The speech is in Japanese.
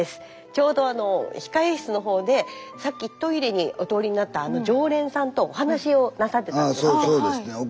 ちょうど控え室のほうでさっきトイレにお通りになったあの常連さんとお話をなさってたんですって。